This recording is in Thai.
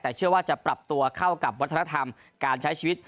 แต่เชื่อว่าจะปรับตัวเข้ากับวัฒนธรรมการใช้ชีวิต